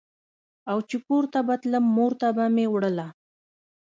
او چې کور ته به تلم مور ته به مې وړله.